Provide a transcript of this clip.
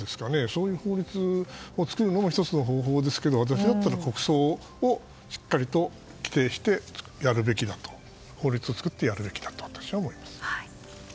そういう法律を作るのも１つの方法ですけど私だったら国葬をしっかりと規定して法律を作ってやるべきだと思います。